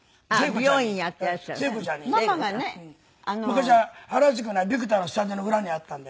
昔原宿のビクターのスタジオの裏にあったんでね。